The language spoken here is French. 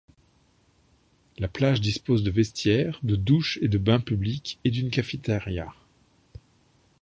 La plage dispose de vestiaires, de douches et de bains publics et d'une cafétéria.